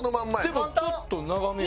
でもちょっと長めよ。